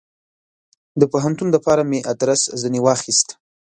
د پوهنتون دپاره مې ادرس ځني واخیست.